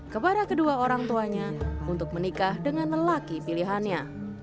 kepada kedua orang tuanya untuk menikah dengan lelaki pilihannya